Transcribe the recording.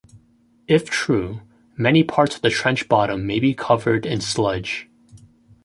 If true, many parts of the trench bottom may be covered in sludge.